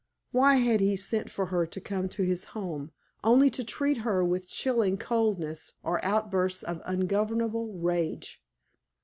Why had he sent for her to come to his home, only to treat her with chilling coldness or outbursts of ungovernable rage?